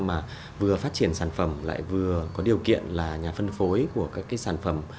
mà vừa phát triển sản phẩm lại vừa có điều kiện là nhà phân phối của các cái sản phẩm